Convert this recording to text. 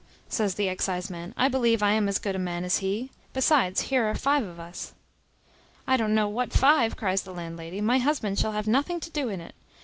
says the exciseman, "I believe I am as good a man as he. Besides, here are five of us." "I don't know what five," cries the landlady, "my husband shall have nothing to do in it.